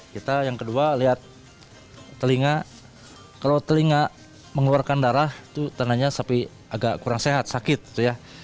kita yang kedua lihat telinga kalau telinga mengeluarkan darah itu tanahnya sapi agak kurang sehat sakit gitu ya